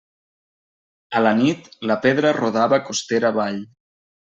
A la nit, la pedra rodava costera avall.